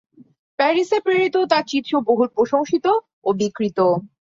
প্যারিসে প্রেরিত তার চিত্র বহুল প্রসংশিত ও বিক্রিত।